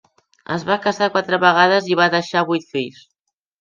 Es va casar quatre vegades i va deixar vuit fills.